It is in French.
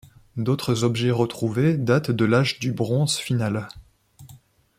D'autres objets retrouvés datent de l'âge du bronze final.